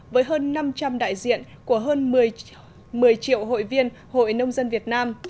với hơn năm trăm linh đại diện của hơn một mươi triệu hội viên hội nông dân việt nam